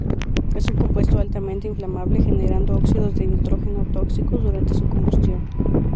Es un compuesto altamente inflamable, generando óxidos de nitrógeno tóxicos durante su combustión.